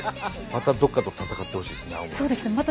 またどこかと戦ってほしいですね青森ね。